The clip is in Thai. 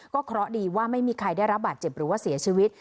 เพราะดีว่าไม่มีใครได้รับบาดเจ็บหรือว่าเสียชีวิต